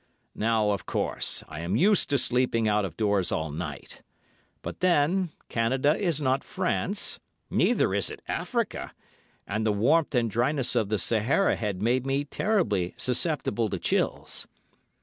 Now, of course, I am used to sleeping out of doors all night; but, then, Canada is not France, neither is it Africa, and the warmth and dryness of the Sahara had made me terribly susceptible to chills.